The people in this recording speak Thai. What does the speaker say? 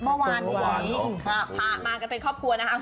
พอมากันเป็นครอบครัวนะคะ